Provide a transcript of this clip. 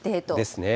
ですね。